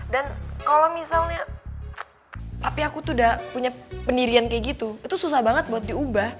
dan kalau misalnya papi aku tuh udah punya pendirian kayak gitu itu susah banget buat diubah